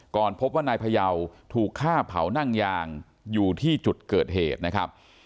พบว่านายพยาวถูกฆ่าเผานั่งยางอยู่ที่จุดเกิดเหตุนะครับ